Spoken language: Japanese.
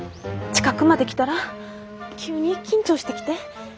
近くまで来たら急に緊張してきて。